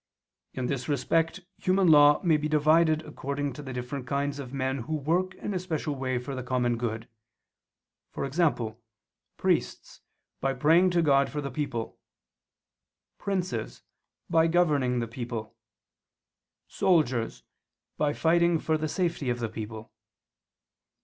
In this respect human law may be divided according to the different kinds of men who work in a special way for the common good: e.g. priests, by praying to God for the people; princes, by governing the people; soldiers, by fighting for the safety of the people.